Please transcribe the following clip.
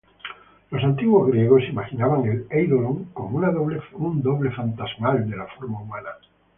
Los antiguos griegos imaginaban el "eidolon" como un doble fantasmal de la forma humana.